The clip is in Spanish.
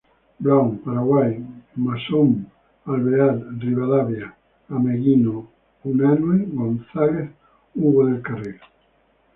Brown, Paraguay, Masón, Alvear, Rivadavia, Ameghino, Unanue, Gonzalez, Hugo del Carril.